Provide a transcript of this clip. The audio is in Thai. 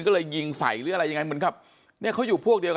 ก็เลยยิงใส่หรืออะไรยังไงเหมือนกับเนี่ยเขาอยู่พวกเดียวกัน